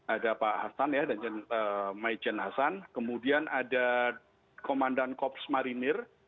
ada pak hasan maijen hasan kemudian ada komandan kops marinir